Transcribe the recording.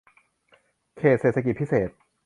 เขตเศรษฐกิจพิเศษ